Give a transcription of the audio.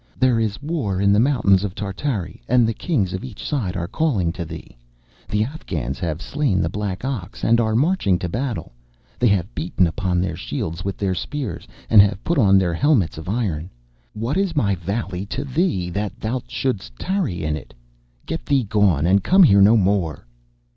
There is war in the mountains of Tartary, and the kings of each side are calling to thee. The Afghans have slain the black ox, and are marching to battle. They have beaten upon their shields with their spears, and have put on their helmets of iron. What is my valley to thee, that thou shouldst tarry in it? Get thee gone, and come here no more.